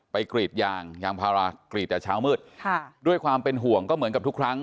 กรีดยางยางพารากรีดแต่เช้ามืดค่ะด้วยความเป็นห่วงก็เหมือนกับทุกครั้ง